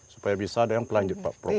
supaya bisa ada yang melanjut pak prof ini